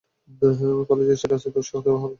কলেজে কেন রাজনীতিতে উৎসাহ দেওয়া হবে?